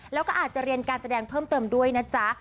แล้วก็อาจจะเรียนการแสดงเพิ่มเติมด้วยนะจ๊ะ